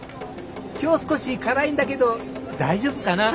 今日少し辛いんだけど大丈夫かな？